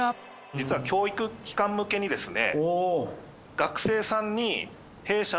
実は教育機関向けにですね。